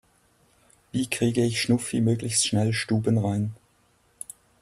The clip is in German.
Wie kriege ich Schnuffi möglichst schnell stubenrein?